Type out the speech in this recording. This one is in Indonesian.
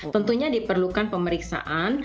tentunya diperlukan pemeriksaan